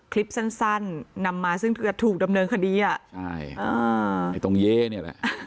คลิปสั้นสั้นนำมาซึ่งเธอถูกดำเนินคดีอ่ะใช่อ่าไอ้ตรงเย้เนี่ยแหละ